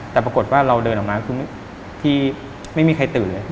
แต่ปรากฏว่าเราเดินออกมาคือที่ไม่มีใครตื่นเลย